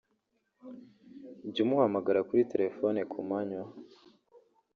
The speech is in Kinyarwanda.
Jya umuhamagara kuri telefoni ku manywa